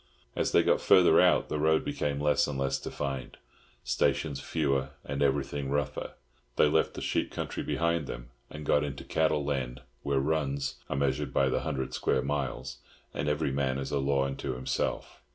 As they got further out, the road became less and less defined, stations fewer, and everything rougher. They left the sheep country behind them and got out into cattle land, where "runs" are measured by the hundred square miles, and every man is a law unto himself.